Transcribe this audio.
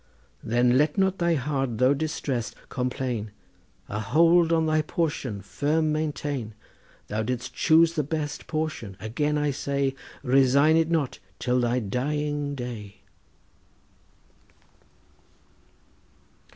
Then let not thy heart though distressed, complain! A hold on thy portion firm maintain. Thou didst choose the best portion, again I say— Resign it not till thy dying day.